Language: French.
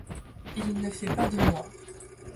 Il ne fait pas de mort.